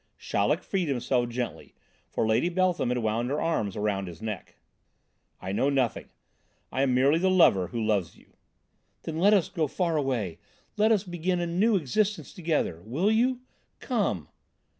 Chaleck freed himself gently, for Lady Beltham had wound her arms round his neck. "I know nothing, I am merely the lover who loves you." "Then let us go far away. Let us begin a new existence together. Will you? Come!"